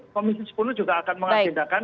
komisi sepuluh juga akan mengagendakan